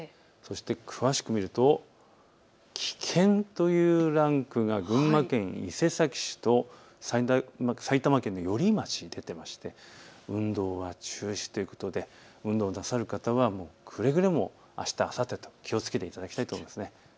詳しく見ると危険というランクが群馬県伊勢崎市と埼玉県寄居町に出ていまして運動は中止ということで運動なさる方はくれぐれもあしたとあさってと気をつけていただきたいと思います。